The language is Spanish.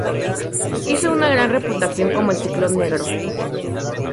Hizo una gran reputación como "El Ciclón Negro".